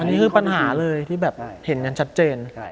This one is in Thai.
อันนี้คือปัญหาเลยที่แบบเห็นกันชัดเจน